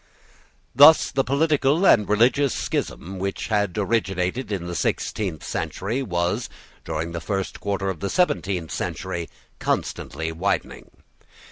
Thus the political and religious schism which had originated in the sixteenth century was, during the first quarter of the seventeenth century, constantly widening.